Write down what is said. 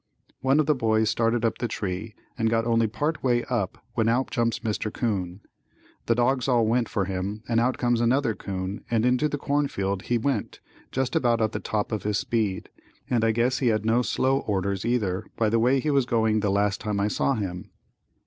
One of the boys started up the tree and got only part way up when out jumps Mr. 'Coon. The dogs all went for him and out comes another 'coon and into the corn field he went just about at the top of his speed, and I guess he had no slow orders either by the way he was going the last time I saw him.